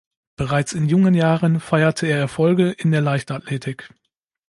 Bereits in jungen Jahren feierte er Erfolge in der Leichtathletik.